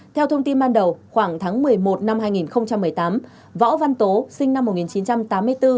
theo thông tin ban đầu khoảng tháng một mươi một năm hai nghìn một mươi tám võ văn tố sinh năm một nghìn chín trăm tám mươi bốn